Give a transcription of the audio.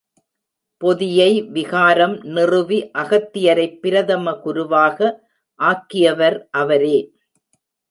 பொதியை விகாரம் நிறுவி அகத்தியரைப் பிரதம குருவாக ஆக்கியவர் அவரே.